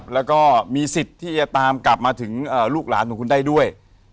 แล้วก็มีสิทธิ์ที่จะตามกลับมาถึงลูกหลานของคุณได้ด้วย